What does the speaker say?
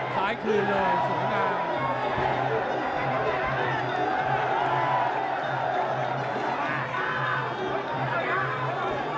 ซ้ายคืนเลยสูงหน้า